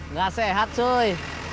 nggak sehat cuy